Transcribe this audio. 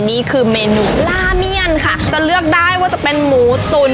นี่คือเมนูลาเมียนค่ะจะเลือกได้ว่าจะเป็นหมูตุ๋น